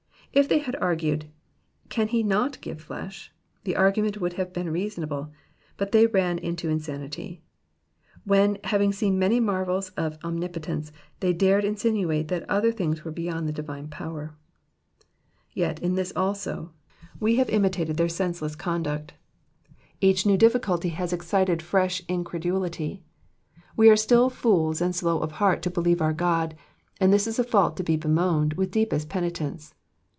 If they had argued, "can he not give flesh ?^' the argument would have been reasonable, but they ran into insanity ; when, having seen many marvels of omnipotence, they dared to insinuate that other things were beyond the divine power. Yet, in this also^ Digitized by VjOOQIC PSALM THE SEVENTY EIGHTH. 439 we have imitated their senseless conduct. Each new difficulty has excited fresh incredulity. We are still fools and slow of heart to believe our God, and this is a fault to be bemoaned with deepest penitence.